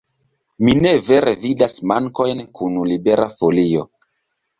Mi ne vere vidas mankojn kun Libera Folio.